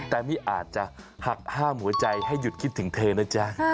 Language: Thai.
แต่นี่อาจจะหักห้ามหัวใจให้หยุดคิดถึงเธอนะจ๊ะ